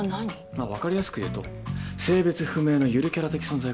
まあわかりやすく言うと性別不明のゆるキャラ的存在かと。